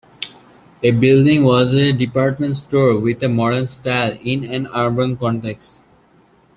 The building was a department store with a modern style in an urban context.